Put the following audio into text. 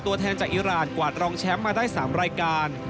ตัวแทนจากอิราณกวาดรองแชมป์มาได้๓รายการ